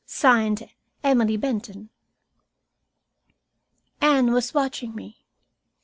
"(Signed) EMILY BENTON." Anne was watching me.